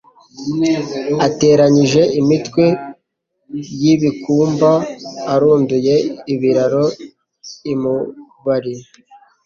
Ateranyije imitwe y' ibikumbaArunduye ibiraro i Mubari